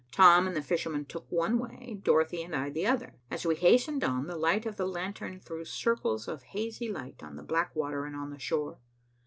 Tom and the fisherman took one way, Dorothy and I the other. As we hastened on, the light of the lantern threw circles of hazy light on the black water and on the shore.